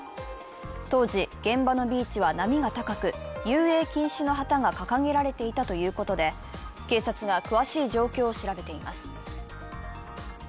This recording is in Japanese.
当時、現場のビーチは波が高く、遊泳禁止の旗が掲げられていたということで、警察が詳しい状況を調べています。